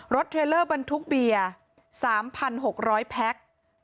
เทรลเลอร์บรรทุกเบียร์๓๖๐๐แพ็ค